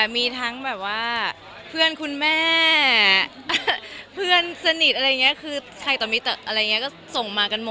มีแฟนเข้ามาใส่ความยินดีไหม